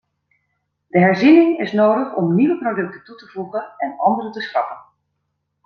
De herziening is nodig om nieuwe producten toe te voegen en andere te schrappen.